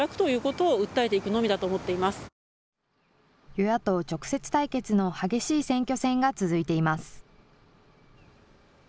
与野党直接対決の激しい選挙戦が続いています。